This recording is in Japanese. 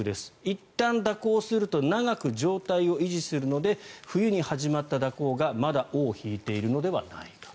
いったん蛇行すると長く状態を維持するので冬に始まった蛇行がまだ尾を引いているのではないか。